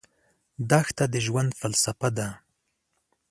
دښته د ژوند فلسفه ده.